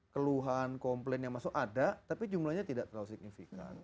keluhan komplain yang masuk ada tapi jumlahnya tidak terlalu signifikan